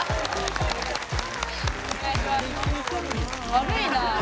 悪いなあ。